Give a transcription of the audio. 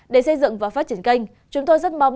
để xây dựng và phát triển kênh chúng tôi rất mong